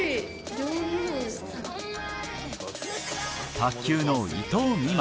卓球の伊藤美誠。